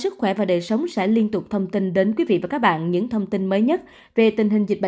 cảm ơn quý vị và các bạn đã quan tâm theo dõi bản tin covid một mươi chín